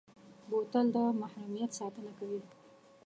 بوتل د محرمیت ساتنه کوي.